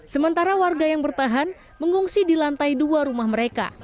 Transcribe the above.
sementara warga yang bertahan mengungsi di lantai dua rumah mereka